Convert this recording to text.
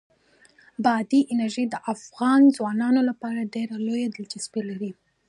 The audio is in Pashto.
بادي انرژي د افغان ځوانانو لپاره ډېره لویه دلچسپي لري.